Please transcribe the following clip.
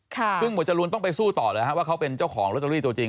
ซึ่งหมวดจรูนต้องไปสู้ต่อเลยฮะว่าเขาเป็นเจ้าของลอตเตอรี่ตัวจริง